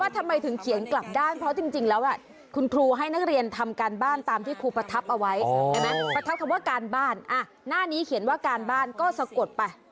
ถามว่าทำไมถึงเขียนกลับด้านเพราะจริงแล้วคุณครูให้นักเรียนทำการบ้านตามที่ครูประทับเอาไว้